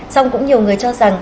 xong cũng nhiều người cho rằng